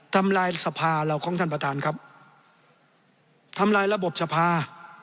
ทำลายสภาเราของท่านประธานครับทำลายระบบสภา